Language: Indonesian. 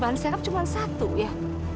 bahan sekap cuma satu ya